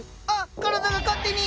体が勝手に！